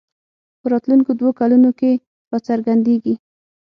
په راتلونکو دوو کلونو کې راڅرګندېږي